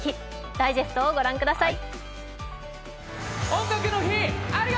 ダイジェストをご覧ください。